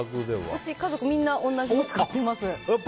うち、家族みんな同じの使ってます。